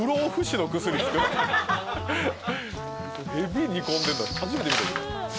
ヘビ煮込んでんの初めて見た。